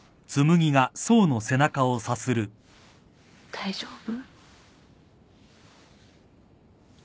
大丈夫？